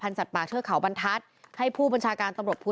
การจัดปลาเชื้อเขาบรรทัศน์ให้ผู้บัญชาการตำรดภู